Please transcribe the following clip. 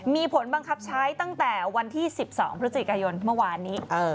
มีผลบังคับใช้ตั้งแต่วันที่๑๒พฤศจิกายนเมื่อวานนี้